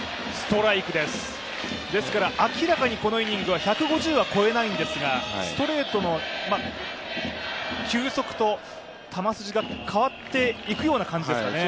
ですから明らかにこのイニングは１５０は超えないんですが、ストレートの球速と球筋が変わっていくような感じですかね。